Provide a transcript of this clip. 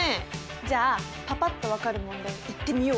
じゃあパパっと分かる問題いってみよう！